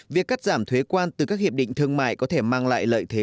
việc cắt giảm thuế quan từ các hiệp định thương mại có thể mang lại lợi thế